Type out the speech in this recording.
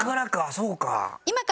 そうか。